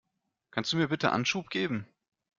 Kannst du mir bitte Anschub geben?